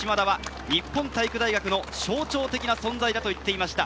佐藤監督もこの嶋田は日本体育大学の象徴的存在だと言っていました。